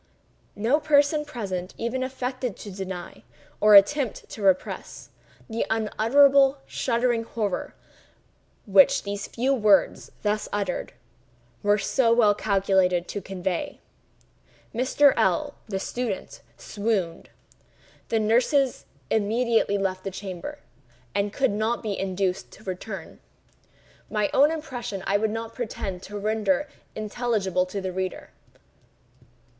No person present even affected to deny, or attempted to repress, the unutterable, shuddering horror which these few words, thus uttered, were so well calculated to convey. Mr. L—l (the student) swooned. The nurses immediately left the chamber, and could not be induced to return. My own impressions I would not pretend to render intelligible to the reader.